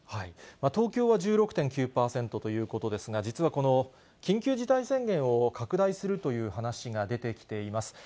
東京は１６．９％ということですが、実はこの緊急事態宣言を拡大するという話が出てきています。